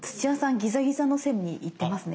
ギザギザの線に行ってますね。